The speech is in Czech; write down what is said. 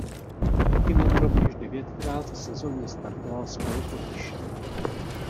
Häkkinen rovněž devětkrát v sezóně startoval z pole position.